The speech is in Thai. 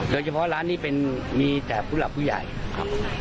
โดยเฉพาะร้านนี้เป็นมีแต่ผู้หลับผู้ใหญ่ครับ